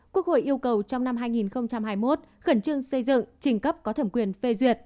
quốc hội yêu cầu trong năm hai nghìn hai mươi một khẩn trương xây dựng trình cấp có thẩm quyền phê duyệt